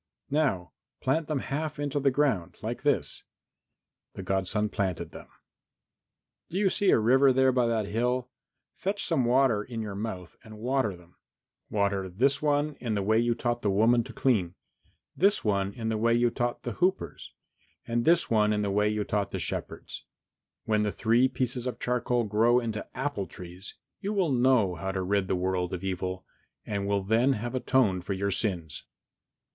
"Now plant them half into the ground, like this." The godson planted them. "Do you see a river there by that hill? Fetch some water in your mouth and water them. Water this one in the way you taught the woman to clean, this one in the way you taught the hoopers, and this one in the way you taught the shepherds. When the three pieces of charcoal grow into apple trees you will know how to rid the world of evil, and will then have atoned for your sins."